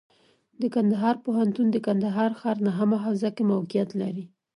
د کندهار پوهنتون د کندهار ښار نهمه حوزه کې موقعیت لري.